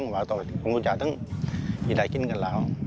ว่าต้องกินกันแล้ว